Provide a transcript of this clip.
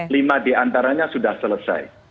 lima diantaranya sudah selesai